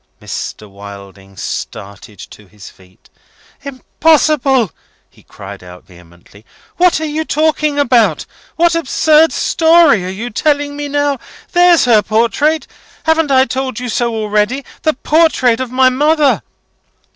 Mr. Wilding started to his feet. "Impossible!" he cried out, vehemently. "What are you talking about? What absurd story are you telling me now? There's her portrait! Haven't I told you so already? The portrait of my mother!"